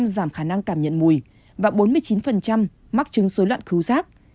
ba mươi ba giảm khả năng cảm nhận mùi và bốn mươi chín mắc chứng số lận khứu sát